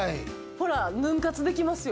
ほら、ヌン活できますよ。